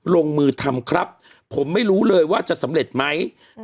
ลงมือทำครับผมไม่รู้เลยว่าจะสำเร็จไหม